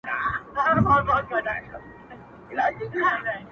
دغه خوار ملنگ څو ځايه تندی داغ کړ,